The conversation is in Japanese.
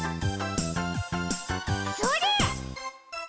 それ！